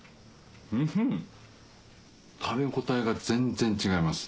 食べ応えが全然違います。